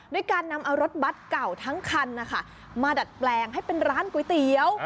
ด้วยการนำเอารถบัตรเก่าทั้งคันนะคะมาดัดแปลงให้เป็นร้านก๋วยเตี๋ยว